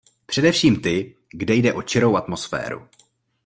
Především ty, kde jde o čirou atmosféru.